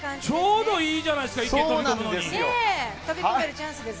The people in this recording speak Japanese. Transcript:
ちょうどいいじゃないですか、池飛ぶのに。